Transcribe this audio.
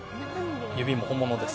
指も本物です